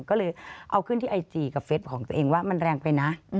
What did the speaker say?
ก็เลยเอาขึ้นที่ไอจีกับเฟสของตัวเองว่ามันแรงไปนะ